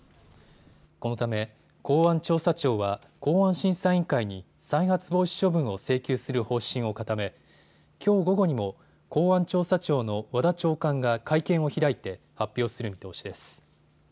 このため公安調査庁は公安審査委員会に再発防止処分を請求する方針を固め、きょう午後にも公安調査庁の和田長官が会見を開いて発表する見通しです。